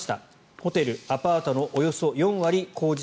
ホテル、アパートのおよそ４割工事